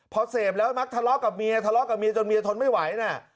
พอเสพแล้วมักทะเลาะกับเมียทะเลาะกับเมียจนเมียทนไม่ไหวน่ะ